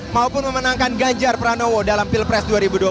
maupun memenangkan ganjar pranowo dalam pilpres dua ribu dua puluh